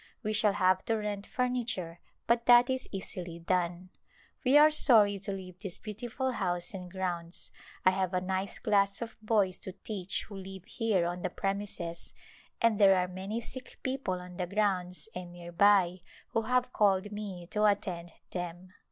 We shall have to rent furniture but that is easily done. We are sorry to leave this beautiful house and grounds. I have a nice class of boys to teach who live here on the premises, and there are many sick people on the grounds and near by who have called me to attend them.